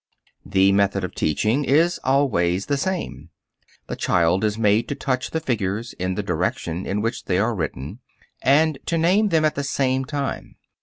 The method of teaching is always the same. The child is made to touch the figures in the direction in which they are written, and to name them at the same time.